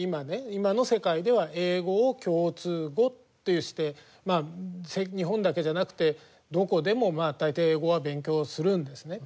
今の世界では英語を共通語としてまあ日本だけじゃなくてどこでもまあ大抵英語は勉強するんですね。